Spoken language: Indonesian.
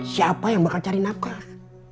siapa yang bakal cari nafkah